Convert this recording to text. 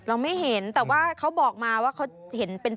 เราไม่เห็นแต่ว่าเขาบอกมาว่าเขาเห็นเป็น